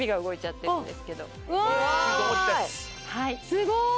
すごい。